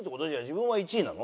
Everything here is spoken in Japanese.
自分は１位なの？